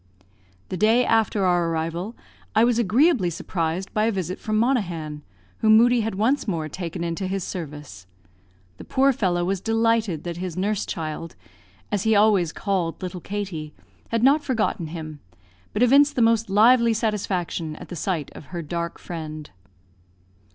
The day after our arrival, I was agreeably surprised by a visit from Monaghan, whom Moodie had once more taken into his service. The poor fellow was delighted that his nurse child, as he always called little Katie, had not forgotten him, but evinced the most lively satisfaction at the sight of her dark friend.